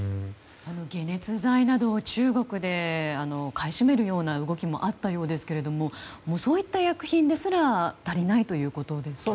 解熱剤などを中国で買い占めるような動きもあったようですけれどもそういった医薬品ですら足りないということですよね。